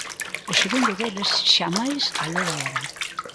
O segundo deles xa máis aló da hora.